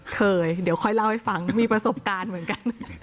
เคยเดี๋ยวค่อยเล่าให้ฟังมีประสบการณ์เหมือนกัน